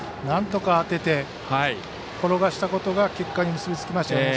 なんとか当てて転がしたことが結果に結びつきました。